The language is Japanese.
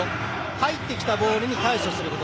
入ってきたボールに対処すること。